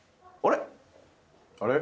あれ？